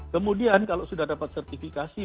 kemudian kalau sudah dapat sertifikasi